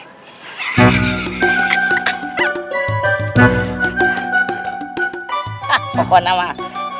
hah pokoknya mah